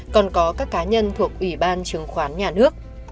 còn có các cá nhân thuộc ủy ban chứng khoán nhà nước